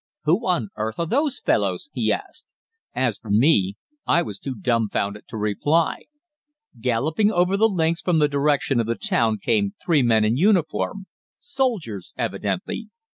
"'Who on earth are those fellows?' he asked. As for me, I was too dumbfounded to reply. Galloping over the links from the direction of the town came three men in uniform soldiers, evidently.